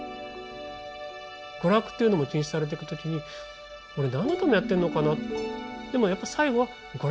娯楽というのも禁止されてく時に俺何のためやってんのかな。